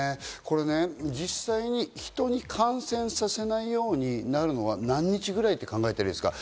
実際に人に感染させないようになるのは何日ぐらいと考えたらいいですか？